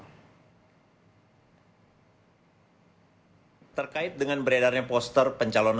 sebagai pilihan kaisang pangarap menjadi pilihan yang sangat penting